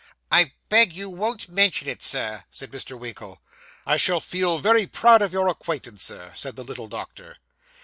'I beg you won't mention it, Sir,' said Mr. Winkle. 'I shall feel proud of your acquaintance, Sir,' said the little doctor.